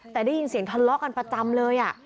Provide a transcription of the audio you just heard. แต่ได้ยินเสียงทะเลาะกันประจำเลย